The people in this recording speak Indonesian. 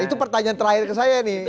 itu pertanyaan terakhir ke saya nih